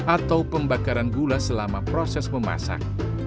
atau pembakaran gula selama proses memasak